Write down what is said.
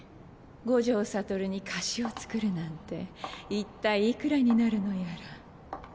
五条悟に貸しを作るなんて一体いくらになるのやら。